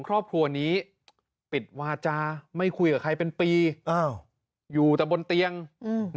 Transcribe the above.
ครอบครัวนี้ปิดวาจาไม่คุยกับใครเป็นปีอ้าวอยู่แต่บนเตียงอืม